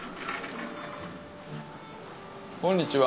こんにちは。